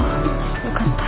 よかった。